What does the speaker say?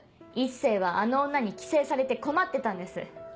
一星はあの女に寄生されて困ってたんです。